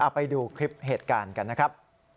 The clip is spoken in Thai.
ไปดูคลิปเหตุการณ์กันนะครับ